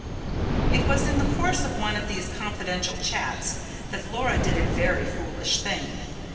It was in the course of one of these confidential chats that Laura did a very foolish thing.